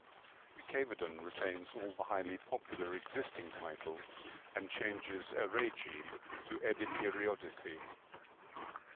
Cavedon retains all the highly popular existing titles and changes Erregi to Ediperiodici.